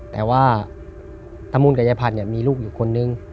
แต่ว่าตะมูลกับยายพันธุ์มีลูกอยู่คนนึง